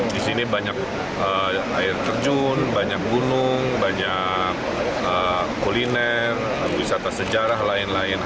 di sini banyak air terjun banyak gunung banyak kuliner wisata sejarah lain lain